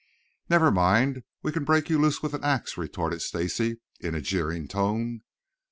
"Never mind. We can break you loose with an axe," retorted Stacy in a jeering tone.